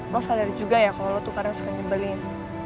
mau sekadar juga ya kalo lo tuh karena suka nyebelin